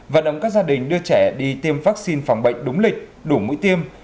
vận động các gia đình đưa trẻ đi tiêm vắc xin phòng bệnh đúng lịch đủ mũi tiêm